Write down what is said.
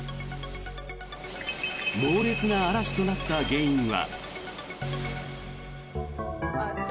猛烈な嵐となった原因は。